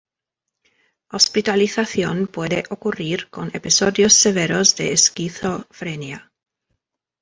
Hospitalización puede ocurrir con episodios severos de esquizofrenia.